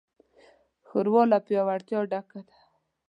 ښوروا له پیاوړتیا ډکه ده.